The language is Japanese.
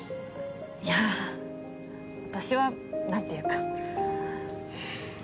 いや私はなんていうか。